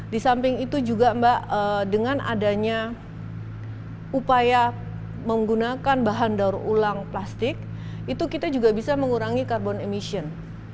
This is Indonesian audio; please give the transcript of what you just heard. di samping itu juga mbak dengan adanya upaya menggunakan bahan daur ulang plastik itu kita juga bisa mengurangi carbon emission